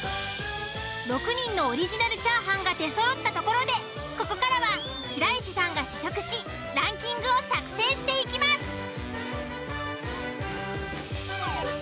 ６人のオリジナルチャーハンが出そろったところでここからは白石さんが試食しランキングを作成していきます。